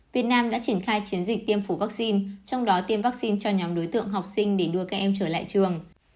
việt nam đã triển khai chiến dịch tiêm phủ vaccine trong đó tiêm vaccine cho nhóm đối tượng học sinh để đưa các em trở lại trường